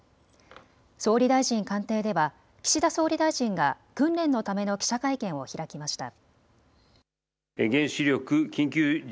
総理大臣官邸では岸田総理大臣が訓練のための記者会見を開きました。